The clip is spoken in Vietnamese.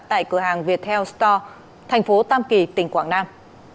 tại cửa hàng viettel store thành phố tam kỳ tỉnh quảng nam